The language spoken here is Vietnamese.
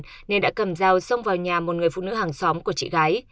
tài sản nên đã cầm giao xông vào nhà một người phụ nữ hàng xóm của chị gái